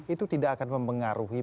itu tidak akan mempengaruhi